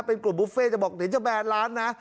เป็นกลุ่มบุฟเฟ่จะบอกเดี๋ยวจะแบนร้านนะ